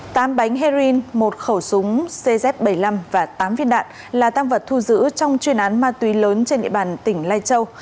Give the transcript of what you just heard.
tám bánh heroin một khẩu súng cz bảy mươi năm và tám viên đạn là tăng vật thu giữ trong chuyên án ma túy lớn trên địa bàn tỉnh lai châu